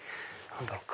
何だろう？